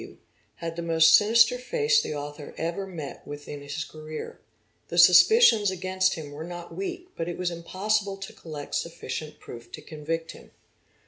W., had the most sinister face the author ever met with in his career. The suspicions against him were not weak but it was impossible to collect sufficient proof to convict him.